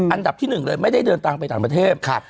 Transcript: อันดับที่๑เลยไม่ได้เดินทางไปต่างประเทศ